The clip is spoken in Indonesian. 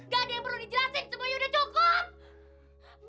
gak ada yang perlu dijelasin semuanya udah cukup